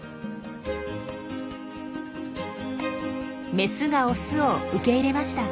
メスがオスを受け入れました。